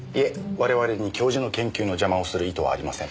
我々に教授の研究の邪魔をする意図はありません。